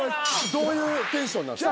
どういうテンションなんですか？